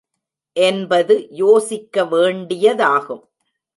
என்பது யோசிக்க வேண்டியதாகும்.